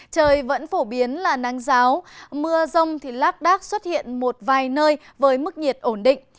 trời vẫn phổ biến là nắng giáo mưa rông thì lác đác xuất hiện một vài nơi với mức nhiệt ổn định